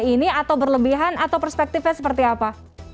ini atau berlebihan atau perspektifnya seperti apa